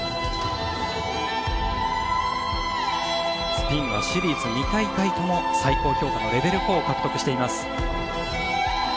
スピンはシリーズ２大会とも最高評価のレベル４を獲得しています。